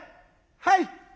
はい。